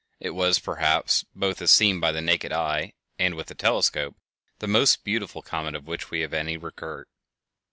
It was, perhaps, both as seen by the naked eye and with the telescope, the most beautiful comet of which we have any record.